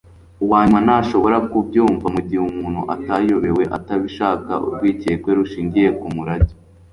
uwa nyuma ntashobora kubyumva mu gihe umuntu atayobewe atabishaka urwikekwe rushingiye ku murage